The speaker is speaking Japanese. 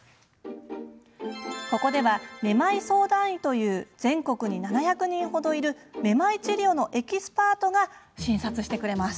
ここではめまい相談医という全国に７００人ほどいるめまい治療のエキスパートが診察してくれます。